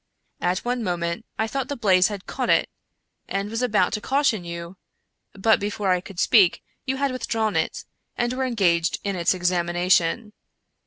At one moment I thought the blaze had caught it, and was about to caution you, but, before I could speak, you had withdrawn it, and were engaged in its examination.